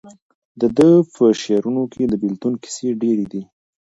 د ده په شعرونو کې د بېلتون کیسې ډېرې دي.